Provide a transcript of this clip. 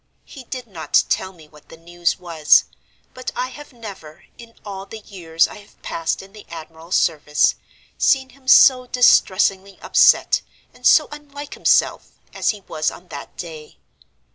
He did not tell me what the news was—but I have never, in all the years I have passed in the admiral's service, seen him so distressingly upset, and so unlike himself, as he was on that day.